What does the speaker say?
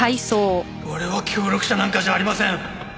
俺は協力者なんかじゃありません。